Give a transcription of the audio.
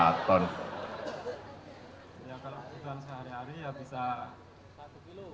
ya kalau kebutuhan sehari hari ya bisa satu kilo